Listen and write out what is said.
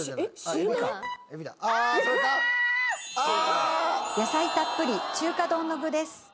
野菜たっぷり中華丼の具です。